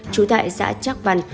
trú tại xã chắc văn